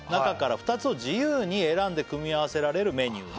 「２つを自由に選んで組み合わせられるメニューで」